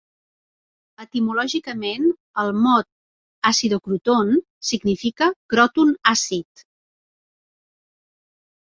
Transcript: Etimològicament, el mot "Acidocroton" significa "cròton àcid".